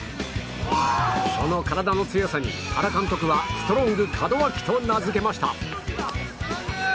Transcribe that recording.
その体の強さに原監督はストロング門脇と名付けました。